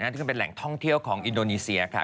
ที่เป็นแหล่งท่องเที่ยวของอินโดนีเซียค่ะ